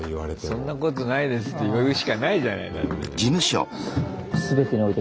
「そんなことないです」って言うしかないじゃないだって。